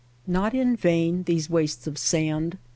Not in vain these wastes of sand.